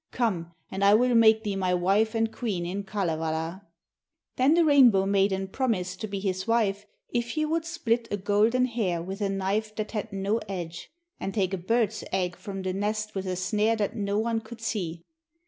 Come, and I will make thee my wife and queen in Kalevala.' Then the Rainbow maiden promised to be his wife if he would split a golden hair with a knife that had no edge, and take a bird's egg from the nest with a snare that no one could see.